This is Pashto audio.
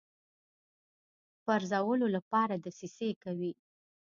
پرزولو لپاره دسیسې کوي.